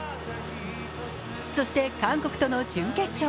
そして、韓国との準決勝。